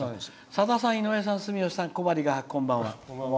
「さださん、住吉さん、井上さん小針画伯、こんばんは」。